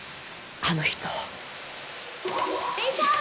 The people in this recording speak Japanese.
あの人。